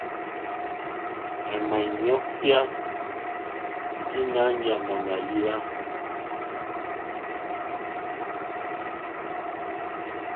À mà ɲɔ́kyá ndí nǎ ɲàmà màlíwá.